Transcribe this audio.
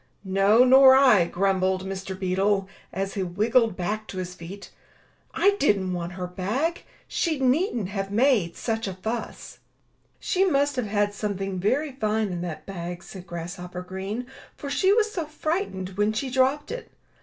"No, nor I, grumbled Mr. Beetle, as he wriggled back to his feet. "I didn't want her bag. She needn't have made such a fuss." "She must have had something very fine in that bag," said Grasshopper Green, "for she was so fright ened when she dropped it.